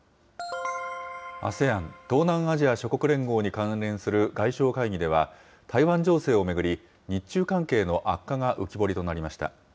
ＡＳＥＡＮ・東南アジア諸国連合に関連する外相会議では、台湾情勢を巡り、日中関係の悪化が浮き彫りとなりました。